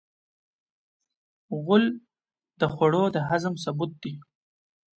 غول د خوړو د هضم ثبوت دی.